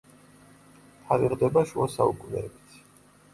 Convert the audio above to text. თარიღდება შუა საუკუნეებით.